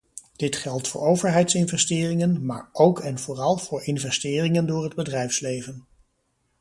Dit geldt voor overheidsinvesteringen, maar ook en vooral voor investeringen door het bedrijfsleven.